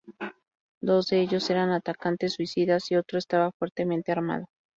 Dos de ellos eran atacantes suicidas y otro estaba fuertemente armado.